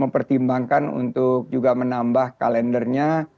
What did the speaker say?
mempertimbangkan untuk juga menambah kalendernya